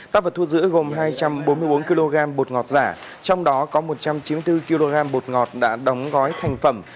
tạp vật thu giữ gồm hai trăm bốn mươi bốn kg bột ngọt giả trong đó có một trăm chín mươi bốn kg bột ngọt đã đóng gói thành phẩm